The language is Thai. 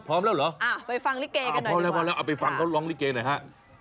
ไปฟังลิเกย์กันหน่อยดีกว่าพอแล้วไปฟังเขาร้องลิเกย์หน่อยฮะ